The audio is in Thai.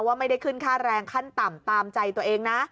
ไม่ได้ขึ้นค่าแรงขั้นต่ำตามใจตัวเองนะ